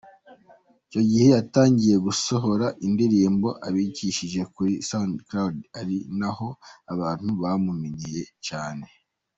Icyo gihe yatangiye gusohora indirimbo abicishije kuri SoundCloud ari naho abantu bamumenyeye cyane.